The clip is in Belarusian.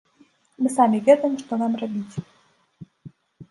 Мы самі ведаем, што нам рабіць.